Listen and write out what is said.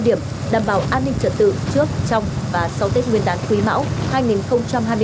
điểm đảm bảo an ninh trật tự trước trong và sau tết nguyên đán quý mão hai nghìn hai mươi bốn